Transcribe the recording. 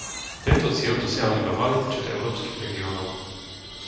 Tento cieľ dosiahol iba malý počet európskych regiónov.